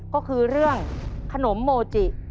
ก็คือเรื่องขนมโมจิ